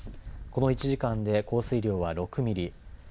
この１時間で降水量は６ミリ。